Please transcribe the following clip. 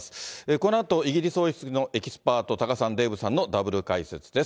このあと、イギリス王室のエキスパート、多賀さん、デーブさんのダブル解説です。